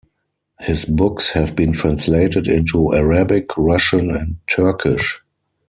His books have been translated into Arabic, Russian, and Turkish.